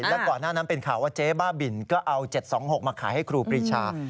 แล้วก่อนหน้านั้นเป็นข่าวว่าเจ๊บ้าบินก็เอา๗๒๖มาขายให้ครูปรีชา